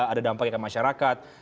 ada dampaknya ke masyarakat